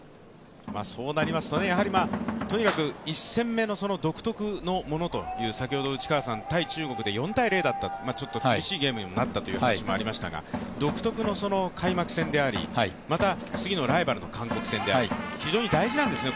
そうなりますと、とにかく１戦目の独特のものという、先ほど内川さん、対中国で４−０だった、ちょっと苦しいゲームになったという話もありましたが独特の開幕戦であり、また次のライバルの韓国戦であり、非常に大事なんですよね